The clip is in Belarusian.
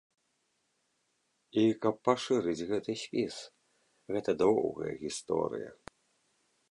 І каб пашырыць гэты спіс, гэта доўгая гісторыя.